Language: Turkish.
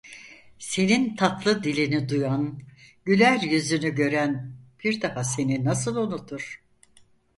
Senin tatlı dilini duyan, güler yüzünü gören bir daha seni nasıl unutur?